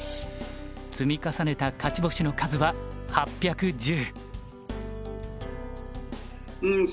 積み重ねた勝ち星の数は８１０。